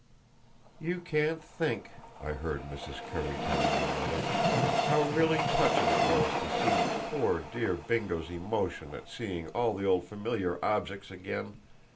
"You can't think," I heard Mrs. Currie telling my mother, "how really touching it was to see poor Bingo's emotion at seeing all the old familiar objects again!